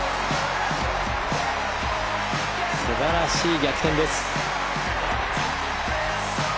すばらしい逆転です。